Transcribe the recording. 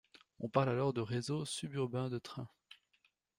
On parle alors de réseau sub-urbain de train.